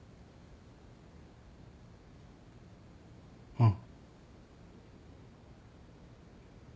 うん。